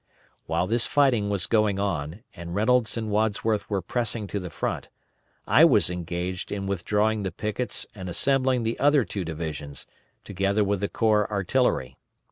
While this fighting was going on, and Reynolds and Wadsworth were pressing to the front, I was engaged in withdrawing the pickets and assembling the other two divisions, together with the corps artillery.